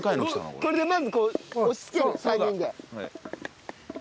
これでねこう押しつける３人で。